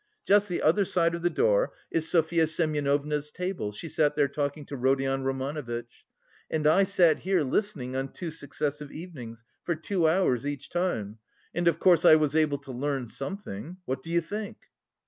Just the other side of the door is Sofya Semyonovna's table; she sat there talking to Rodion Romanovitch. And I sat here listening on two successive evenings, for two hours each time and of course I was able to learn something, what do you think?"